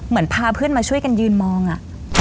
เหมือนพาเพื่อนมาช่วยกันยืนมองอ่ะ